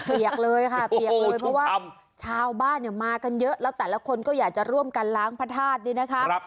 เปียกเลยค่ะเปียกเลยเพราะว่าชาวบ้านเนี่ยมากันเยอะแล้วแต่ละคนก็อยากจะร่วมกันล้างพระธาตุนี่นะคะ